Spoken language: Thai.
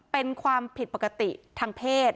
เป็นความผิดปกติทางเพศ